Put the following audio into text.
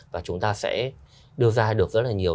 và chúng ta sẽ đưa ra được rất là nhiều